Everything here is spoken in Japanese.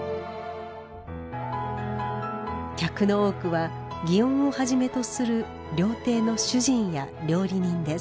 客の多くは園をはじめとする料亭の主人や料理人です。